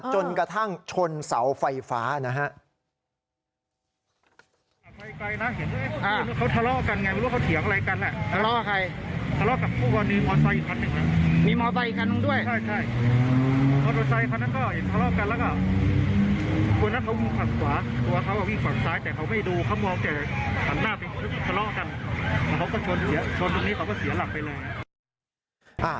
จนกระทั่งชนเสาไฟฟ้านะฮะ